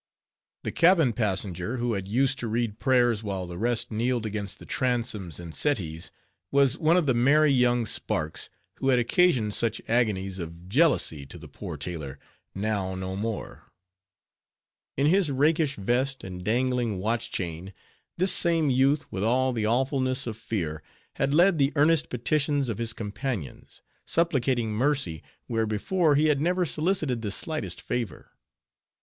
The cabin passenger who had used to read prayers while the rest kneeled against the transoms and settees, was one of the merry young sparks, who had occasioned such agonies of jealousy to the poor tailor, now no more. In his rakish vest, and dangling watch chain, this same youth, with all the awfulness of fear, had led the earnest petitions of his companions; supplicating mercy, where before he had never solicited the slightest favor.